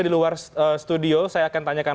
di luar studio saya akan tanyakan